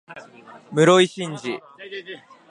室井慎次